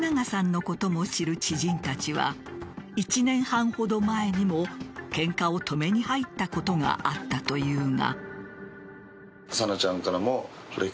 だが、冨永さんのことも知る知人たちは１年半ほど前にもケンカを止めに入ったことがあったというが。